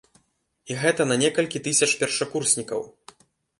І гэта на некалькі тысяч першакурснікаў.